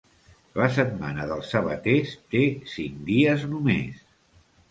La setmana dels sabaters té cinc dies només.